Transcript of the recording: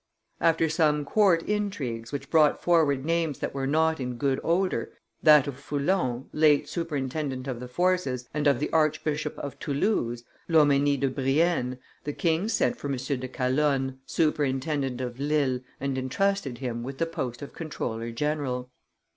After some court intrigues which brought forward names that were not in good odor, that of Foulon, late superintendent of the forces, and of the Archbishop of Toulouse, Lomenie de Brienne, the king sent for M. de Calonne, superintendent of Lille, and intrusted him with the post of comptroller general.